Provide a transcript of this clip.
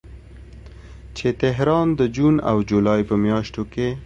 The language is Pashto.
چې تهران د جون او جولای په میاشتو کې